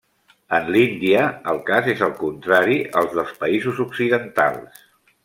En l'Índia, el cas és el contrari al dels països occidentals.